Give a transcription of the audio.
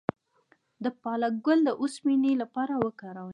د پالک ګل د اوسپنې لپاره وکاروئ